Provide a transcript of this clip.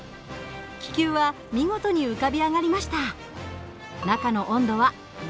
気球は見事に浮かび上がりました。